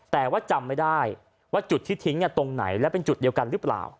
แต่ว่าจำไม่ได้ว่าจุดที่ทิ้งตรงไหนและเป็นจุดเดียวกันหรือเปล่า